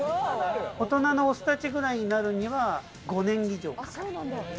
大人のオスたちぐらいになるには５年以上。